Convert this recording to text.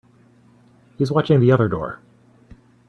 He's watching the other door.